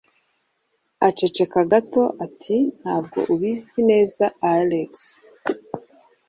Aceceka gato ati: "Ntabwo ubizi neza, Alex".